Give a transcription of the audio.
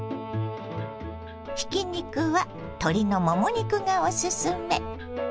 ひき肉は鶏のもも肉がおすすめ。